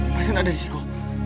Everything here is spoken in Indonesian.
mereka sudah ada di siko